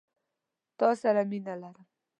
تا سره مينه لرم